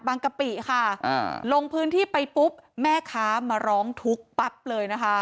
กะปิค่ะอ่าลงพื้นที่ไปปุ๊บแม่ค้ามาร้องทุกข์ปั๊บเลยนะคะ